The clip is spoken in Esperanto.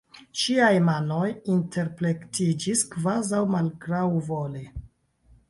Ŝiaj manoj interplektiĝis kvazaŭ malgraŭvole.